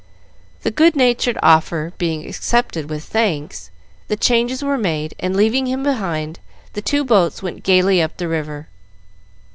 The good natured offer being accepted with thanks, the changes were made, and, leaving him behind, the two boats went gayly up the river.